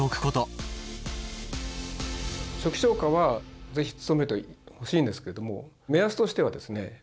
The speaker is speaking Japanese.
初期消火は是非努めてほしいんですけども目安としてはですね